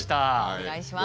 お願いします。